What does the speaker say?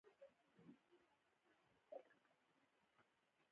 راځي چي په ګډه دخپل هيواد په جوړولو کي برخه واخلو.